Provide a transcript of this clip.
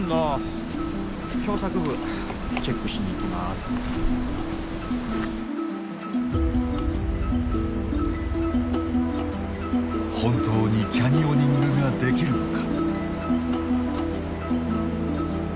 今から本当にキャニオニングができるのか？